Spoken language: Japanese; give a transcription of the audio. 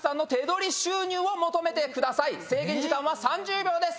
制限時間は３０秒です！